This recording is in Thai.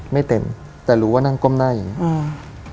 ไม่เต็มแต่รู้ว่านั่งก้มหน้าอย่างงี้อืม